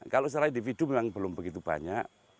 kalau secara individu memang belum begitu banyak